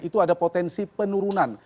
itu ada potensi penurunan